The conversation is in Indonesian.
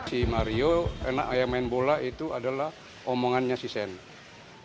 si mario enak ayam main bola itu adalah omongannya si sen